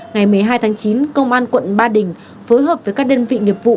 ngày một mươi hai tháng chín công an quận ba đình phối hợp với các đơn vị nghiệp vụ